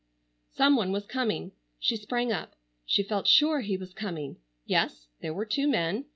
Some one was coming. She sprang up. She felt sure he was coming. Yes, there were two men.